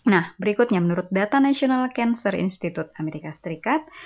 nah berikutnya menurut data national cancer institute amerika serikat